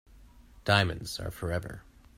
Diamonds are forever.